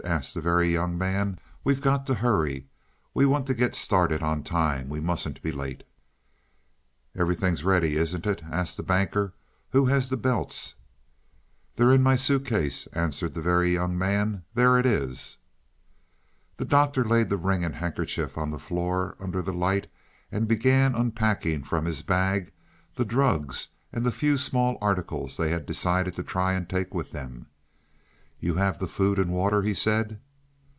asked the Very Young Man. "We've got to hurry. We want to get started on time we mustn't be late." "Everything's ready, isn't it?" asked the Banker. "Who has the belts?" "They're in my suitcase," answered the Very Young Man. "There it is." The Doctor laid the ring and handkerchief on the floor under the light and began unpacking from his bag the drugs and the few small articles they had decided to try and take with them. "You have the food and water," he said.